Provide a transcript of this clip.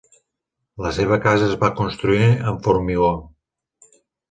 La casa es va construir amb formigó.